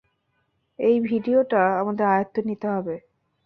ঐ ডিভিডিটা আমাদের আয়ত্তে নিতে হবে।